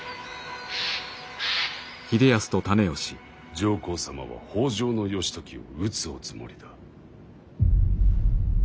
上皇様は北条義時を討つおつもりだ。